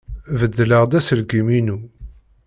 Beddleɣ-d aselkim-inu.